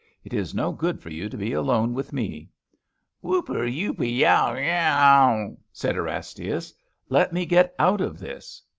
It is no good for you to be alone with me.' * Whooper, yoopee yaw^aw aw,^ said Erastasius. ^ Let me get out of this.'